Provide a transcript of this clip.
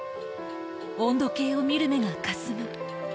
温度計を見る目がかすむ。